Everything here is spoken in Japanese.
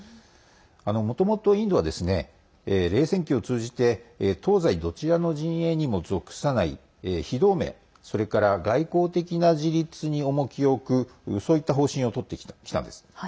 もともとインドは冷戦期を通じて東西どちらの陣営にも属さない非同盟、それから外交的な自立に重きを置くそういった方針をとってきたんです。